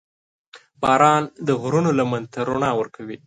• باران د غرونو لمن ته رڼا ورکوي.